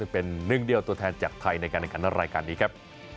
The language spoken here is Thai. เป็นหนึ่งเดียวตัวแทนจากไทยในการแข่งขันรายการนี้ครับ